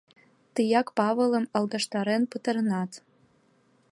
Тыяк Павылым алгаштарен пытаренат.